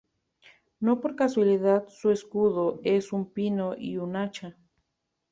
No por casualidad su escudo es un pino y un hacha.